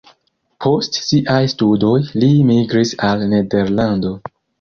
Post siaj studoj li migris al Nederlando.